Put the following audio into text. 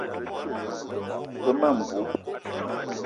Ve ma mbou.